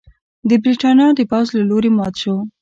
د برېټانیا د پوځ له لوري مات شو.